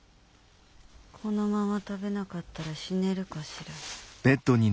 このまま食べなかったら死ねるかしら。